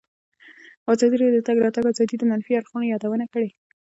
ازادي راډیو د د تګ راتګ ازادي د منفي اړخونو یادونه کړې.